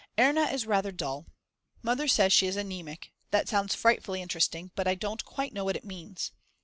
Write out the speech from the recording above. Erna is rather dull. Mother says she is anemic; that sounds frightfully interesting, but I don't quite know what it means.